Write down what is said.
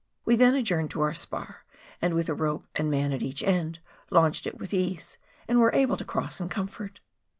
We then adjourned to our spar, and with a rope and man at each end, launched it with ease, and were able to cross in comfort.